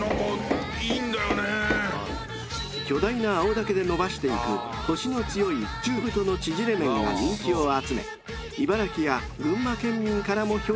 ［巨大な青竹で延ばしていくコシの強い中太の縮れ麺が人気を集め茨城や群馬県民からも評価されています］